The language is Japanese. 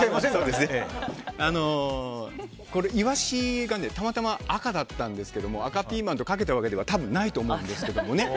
イワシが、たまたま赤だったんですが赤ピーマンとかけたわけでは多分ないと思うんですけど。